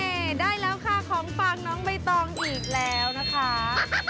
ได้แล้วค่ะของฝากน้องใบตองอีกแล้วนะคะ